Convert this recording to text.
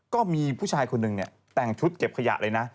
ก็มีผู้ชายคนหนึ่งแต่งชุดเก็บขยะเลยนะ